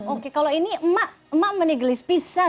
oke kalau ini emak emak menegelis pisah